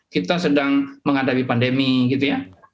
kita sedang menghadapi pandemi gitu ya